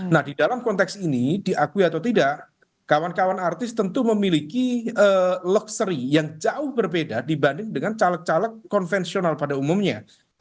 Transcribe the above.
nah di dalam konteks ini diakui atau tidak kawan kawan artis tentu memiliki loxery yang jauh berbeda dibanding dengan caleg caleg konvensional pada umumnya